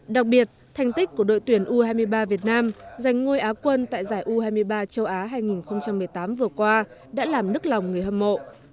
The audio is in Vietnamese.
đặc biệt thành tích của đội tuyển u hai mươi ba việt nam giành ngôi á quân tại giải u hai mươi ba châu á hai nghìn một mươi tám vừa qua đã làm nức lòng người hâm mộ